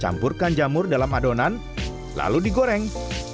campurkan jamur dalam adonan lalu digoreng